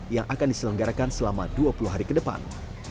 yang akan diselenggarakan selama dua puluh hari ke depan